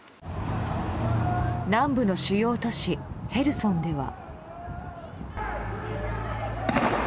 南部の主要都市ヘルソンでは。